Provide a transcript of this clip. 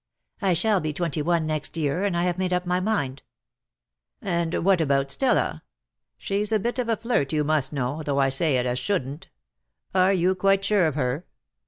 "I shall be twenty one next year, and I have made up my mind." "And what about Stella? She's a bit of a flirt, you must know, though I say it as shouldn't. Are you quite sure of her?"